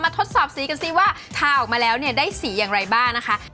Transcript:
ทดสอบสีกันซิว่าทาออกมาแล้วเนี่ยได้สีอย่างไรบ้างนะคะ